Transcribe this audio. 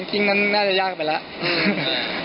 ถ้าคู่เราน่ะคู่เราน่าจะยากไปแล้ว